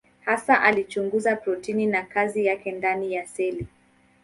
Hasa alichunguza protini na kazi yake ndani ya seli.